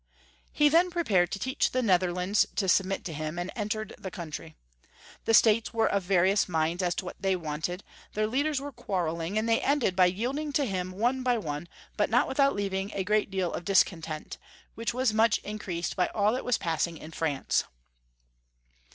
, He then prepared to teach the Netherlands to submit to him, and entered the country. The States were of various minds as to what they wanted, their leaders were quarreling, and they ended by yielding to him one by one, but not without leaving a great deal of discontent, which was much in creased by all that was passing in France.